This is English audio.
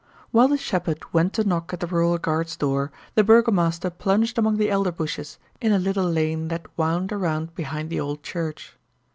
While the shepherd went to knock at the rural guard's door, the burgomaster plunged among the elder bushes, in a little lane that wound around behind the old church.